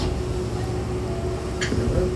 دا زموږ د ټولنې واقعیتونه دي.